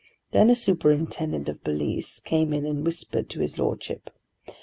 Then a superintendent of police came in and whispered to his Lordship.